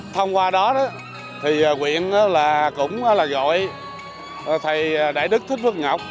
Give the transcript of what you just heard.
thông qua đó quyện cũng gọi thầy đại đức thích phước ngọc